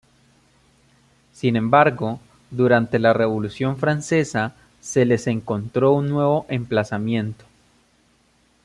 Sin embargo, durante la Revolución francesa se les encontró un nuevo emplazamiento.